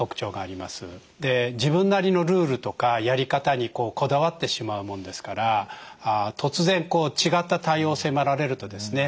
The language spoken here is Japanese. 自分なりのルールとかやり方にこだわってしまうもんですから突然違った対応を迫られるとですね